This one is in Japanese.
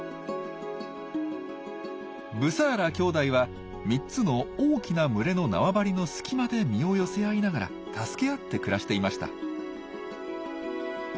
ブサーラ兄弟は３つの大きな群れの縄張りの隙間で身を寄せ合いながら助け合って暮らしていました。